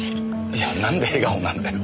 いやなんで笑顔なんだよ。